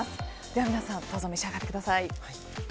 では皆さん召し上がってください。